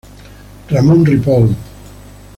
Ramón Ripoll.